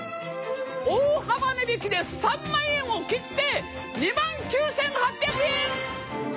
大幅値引きで３万円を切って２万９，８００円！